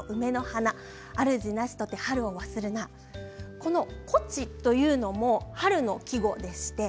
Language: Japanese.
この、こちというのも春の季語です。